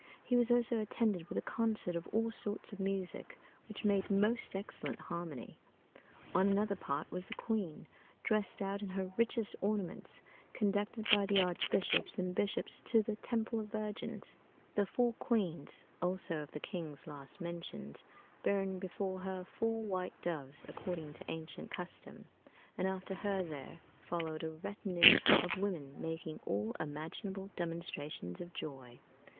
He was also attended with a concert of all sorts of music, which made most excellent harmony. On another part was the queen, dressed out in her richest ornaments, conducted by the archbishops and bishops to the Temple of Virgins; the four queens also of the kings last mentioned, bearing before her four white doves, according to ancient custom; and after her there followed a retinue of women, making all imaginable demonstrations of joy.